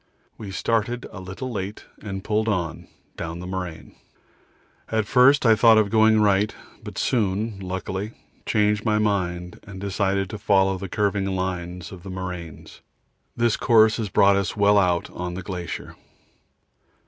We started a little late and pulled on down the moraine. At first I thought of going right, but soon, luckily, changed my mind and decided to follow the curving lines of the moraines. This course has brought us well out on the glacier.